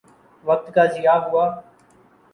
وقت کا ضیاع ہوا۔